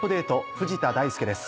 藤田大介です。